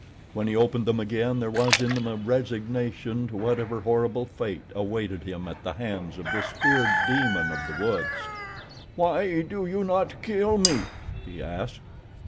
When he opened them again there was in them a resignation to whatever horrible fate awaited him at the hands of this feared demon of the woods. "Why do you not kill me?" he asked.